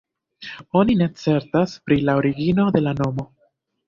Oni ne certas pri la origino de la nomo.